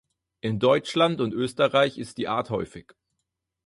In Deutschland und Österreich ist die Art häufig.